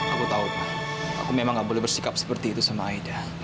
aku tahu aku memang gak boleh bersikap seperti itu sama aida